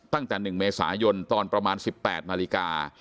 ตั้งแต่๑เมษายนตอนประมาณ๑๘นาฬิกา